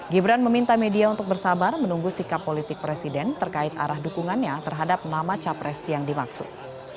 gibran meminta media untuk bersabar menunggu sikap politik presiden terkait arah dukungannya terhadap nama capres yang dimaksud